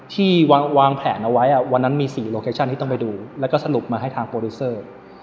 ที่วางแผนเอาไว้วันนั้นมี๔โลเคชั่นที่ต้องไปดูแล้วก็สรุปมาให้ทางโปรดิวเซอร์